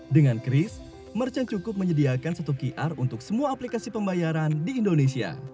dengan cris merchant cukup menyediakan satu qr untuk semua aplikasi pembayaran di indonesia